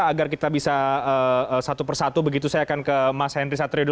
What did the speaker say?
agar kita bisa satu persatu begitu saya akan ke mas henry satrio